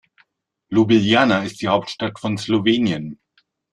Ljubljana ist die Hauptstadt von Slowenien.